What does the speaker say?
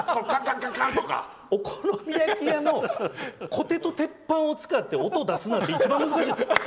お好み焼き屋さんで小手と鉄板を使って音を出すなって一番難しい。